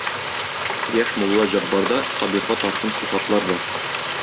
Яшь мулла Җаббарда Сабирга тартым сыйфатлар бар.